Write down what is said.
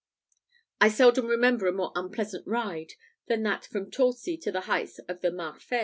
I seldom remember a more unpleasant ride than that from Torcy to the heights of the Marfée.